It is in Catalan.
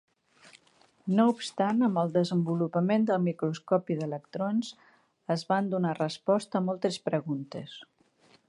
No obstant, amb el desenvolupament del microscopi d'electrons, es van donar resposta a moltes preguntes.